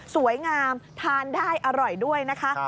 สวยงามทานได้อร่อยด้วยนะคะ